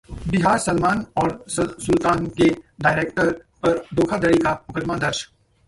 बिहार: सलमान और ‘सुल्तान’ के डायरेक्टर पर धोखाधड़ी का मुकदमा दर्ज